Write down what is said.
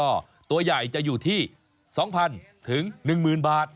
ก็ตัวใหญ่จะอยู่ที่๒๐๐๐๑๐๐บาท